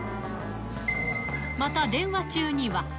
また電話中には。